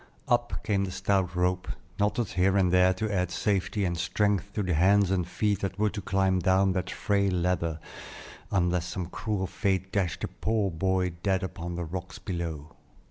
Up came the stout rope, knotted here and there to add safety and strength to the hands and feet that were to climb down that frail ladder, unless some cruel fate dashed the poor boy dead upon the rocks below.